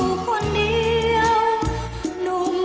คำเอาขอบเราเสียง